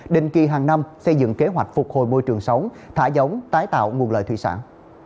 định kỳ hàng năm xây dựng kế hoạch phục hồi môi trường sống thả giống tái tạo nguồn lợi thủy sản